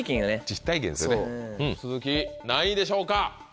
鈴木何位でしょうか。